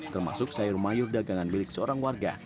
termasuk sayur mayur dagangan milik seorang warga